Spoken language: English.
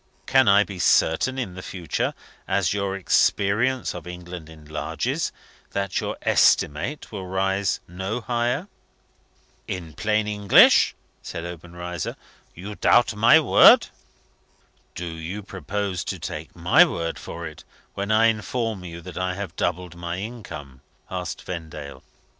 Can I be certain, in the future, as your experience of England enlarges, that your estimate will rise no higher?" "In plain English," said Obenreizer, "you doubt my word?" "Do you purpose to take my word for it when I inform you that I have doubled my income?" asked Vendale.